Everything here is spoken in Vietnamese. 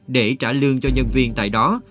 để trả lương cho nhân viên tại đó